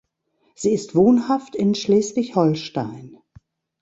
Sie ist wohnhaft in Schleswig-Holstein.